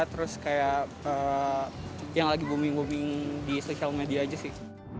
terus kayak yang lagi booming booming di social media aja sih